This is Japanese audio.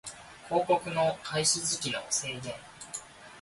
広告の開始時期の制限